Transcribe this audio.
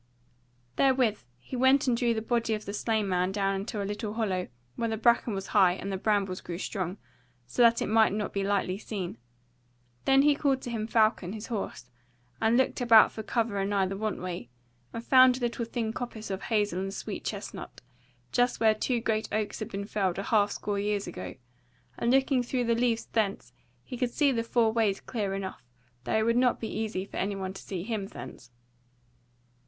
Therewith he went and drew the body of the slain man down into a little hollow where the bracken was high and the brambles grew strong, so that it might not be lightly seen. Then he called to him Falcon, his horse, and looked about for cover anigh the want way, and found a little thin coppice of hazel and sweet chestnut, just where two great oaks had been felled a half score years ago; and looking through the leaves thence, he could see the four ways clearly enough, though it would not be easy for anyone to see him thence.